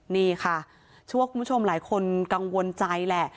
นี่ค่ะเชื่อว่าคุณผู้ชมหลายคนกังวลใจแหละ